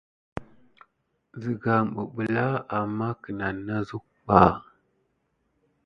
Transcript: Sigan bibilà amà kera akulin kunane zukuɓa.